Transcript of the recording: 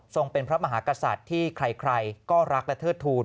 เป็นพระมหากษัตริย์ที่ใครก็รักและเทิดทูล